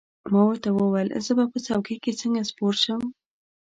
ما ورته وویل: زه به په څوکۍ کې څنګه سپور شم؟